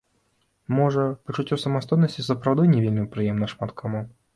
Можа, пачуццё самастойнасці сапраўды не вельмі прыемна шмат каму.